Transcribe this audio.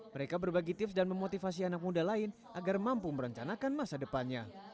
mereka berbagi tips dan memotivasi anak muda lain agar mampu merencanakan masa depannya